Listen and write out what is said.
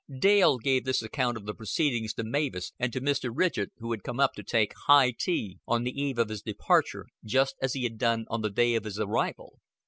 Dale gave this account of the proceedings to Mavis and to Mr. Ridgett, who had come up to take high tea on the eve of his departure just as he had done on the day of his arrival.